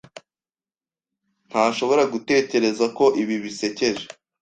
ntashobora gutekereza ko ibi bisekeje.